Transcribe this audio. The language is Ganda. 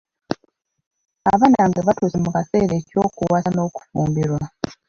Abaana bange batuuse mu kaseera eky'okuwasa n'okufumbirwa.